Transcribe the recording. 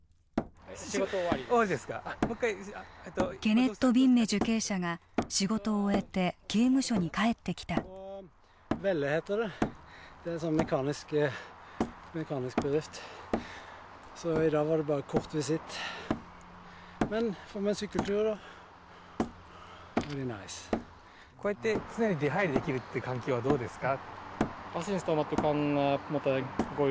ケネット・ビンメ受刑者が仕事を終えて刑務所に帰ってきたＶｅｒｙｎｉｃｅこうやって常に出入りできるって環境はどうですか？